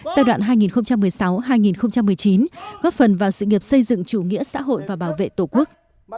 giai đoạn hai nghìn một mươi sáu hai nghìn một mươi chín góp phần vào sự nghiệp xây dựng chủ nghĩa xã hội và bảo vệ tổ quốc